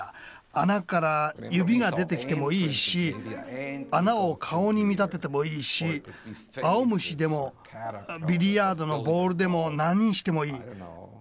穴から指が出てきてもいいし穴を顔に見立ててもいいしあおむしでもビリヤードのボールでも何にしてもいい。